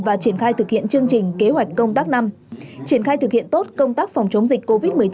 và triển khai thực hiện chương trình kế hoạch công tác năm triển khai thực hiện tốt công tác phòng chống dịch covid một mươi chín